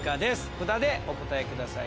札でお答えください